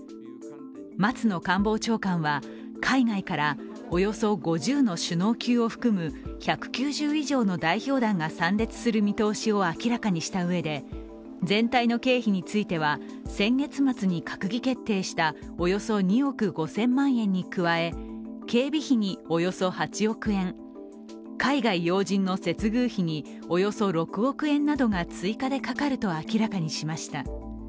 松野官房長官は、海外からおよそ５０の首脳級を含む１９０以上の代表団が参列する見通しを明らかにしたうえで全体の経費については、先月末に閣議決定したおよそ２億５０００万円に加え警備費におよそ８億円、海外要人の接遇費に、およそ６億円などが追加でかかると明らかにしました。